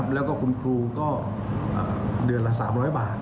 แล้วก็คุณครูก็เดือนละ๓๐๐บาท